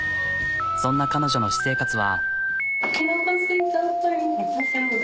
そんな彼女の私生活は。